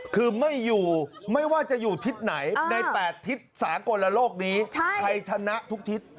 คือไม่อยู่ไม่ว่าจะอยู่ทิศไหนใน๘ทิศสากลโลกนี้ชัยชนะทุกทิศ